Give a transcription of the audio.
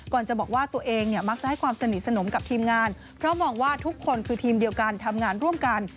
จะบอกว่าตัวเองเนี่ยมักจะให้ความสนิทสนมกับทีมงานเพราะมองว่าทุกคนคือทีมเดียวกันทำงานร่วมกัน